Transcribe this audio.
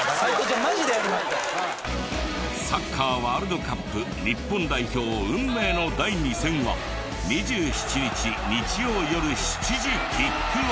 サッカーワールドカップ日本代表運命の第２戦は２７日日曜よる７時キックオフ！